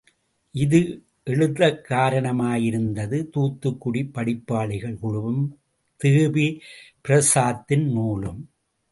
இது எழுதக் காரணமாயிருந்தது தூத்துக்குடி படிப்பாளிகள் குழுவும், தேபி பிரஸாத்தின் நூலும்.